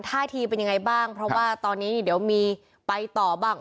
ท่าทีเป็นยังไงบ้างเพราะว่าตอนนี้เดี๋ยวมีไปต่อบ้าง